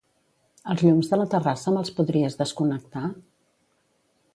Els llums de la terrassa me'ls podries desconnectar?